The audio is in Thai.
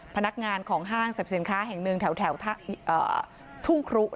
พนักงานของห้างสรรพสินค้าแห่งหนึ่งแถวทุ่งครุ